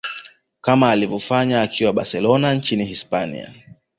kama alivyofanya akiwa barcelona nchini hispania